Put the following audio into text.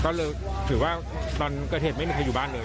อ๋อก็เลยถือว่าตอนกระเทศไม่มีใครอยู่บ้านเลย